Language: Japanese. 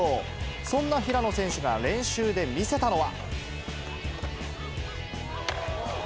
そんな平野選手が練習で見せたのは。